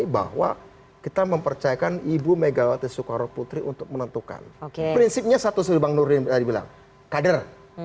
bahwa kita mempercayakan ibu megawati soekarno putri untuk menentukan prinsipnya satu sudah bang nurdin tadi bilang kader